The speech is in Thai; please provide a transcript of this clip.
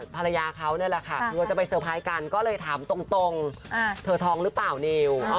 ภรรยาเขานี่แหละค่ะคือว่าจะไปเซอร์ไพรส์กันก็เลยถามตรงเธอท้องหรือเปล่านิว